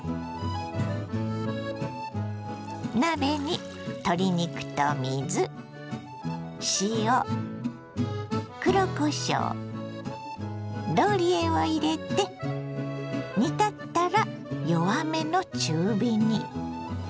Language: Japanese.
鍋に鶏肉と水塩黒こしょうローリエを入れて煮立ったら弱めの中火に。